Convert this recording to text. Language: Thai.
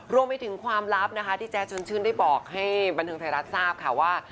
รวมไปถึงความลับนะคะที่แจ๊ชวนชื่นได้บอกให้บันเทิงไทยรัฐทราบค่ะว่า